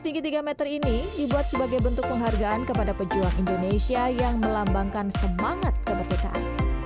setinggi tiga meter ini dibuat sebagai bentuk penghargaan kepada pejuang indonesia yang melambangkan semangat keberdekaan